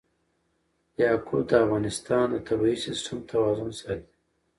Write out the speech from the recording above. یاقوت د افغانستان د طبعي سیسټم توازن ساتي.